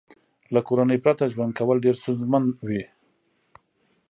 له کورنۍ پرته ژوند کول ډېر ستونزمن وي